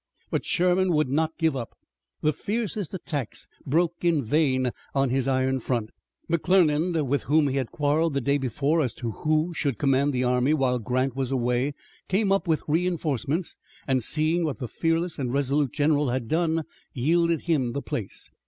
But Sherman would not give up. The fiercest attacks broke in vain on his iron front. McClernand, with whom he had quarreled the day before as to who should command the army while Grant was away, came up with reinforcements, and seeing what the fearless and resolute general had done, yielded him the place.